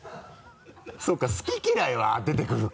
そうか好き嫌いは出てくるか。